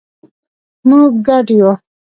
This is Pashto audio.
مونږ ګډ یو